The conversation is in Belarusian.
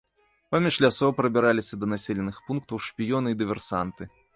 Паміж лясоў прабіраліся да населеных пунктаў шпіёны і дыверсанты.